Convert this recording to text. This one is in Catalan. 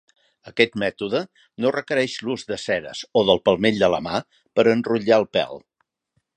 Aquest mètode no requereix l'ús de ceres o del palmell de la mà per enrotllar el pèl.